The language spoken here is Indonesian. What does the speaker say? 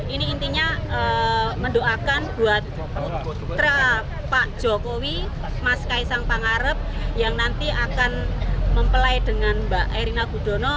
ini intinya mendoakan buat putra pak jokowi mas kaisang pangarep yang nanti akan mempelai dengan mbak erina gudono